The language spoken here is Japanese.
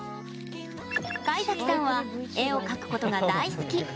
怪崎さんは絵を描くことが大好き。